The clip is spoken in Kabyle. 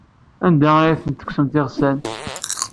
Anda ay asent-tekksemt iɣsan?